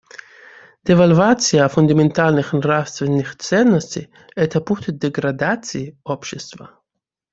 Девальвация фундаментальных нравственных ценностей — это путь к деградации общества.